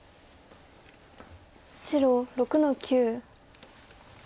白６の九。